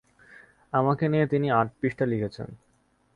আমাকে নিয়ে তিনি আট পৃষ্ঠা লিখেছেন।